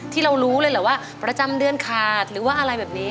ที่เรารู้เลยเหรอว่าประจำเดือนขาดหรือว่าอะไรแบบนี้